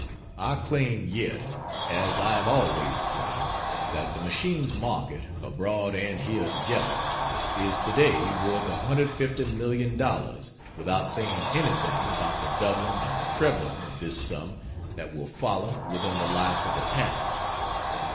I claim yet, as I have always claimed, that the machine's market (abroad and here together,) is today worth $150,000,000 without saying anything about the doubling and trebling of this sum that will follow within the life of the patents.